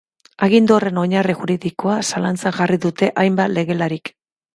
Agindu horren oinarri juridikoa zalantzan jarri dute hainbat legelarik.